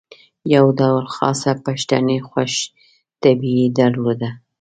یو ډول خاصه پښتني خوش طبعي یې درلوده.